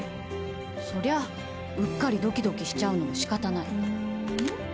そりゃあ、うっかりドキドキしちゃうのも仕方ない。